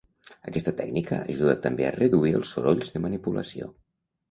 Aquesta tècnica ajuda també a reduir els sorolls de manipulació.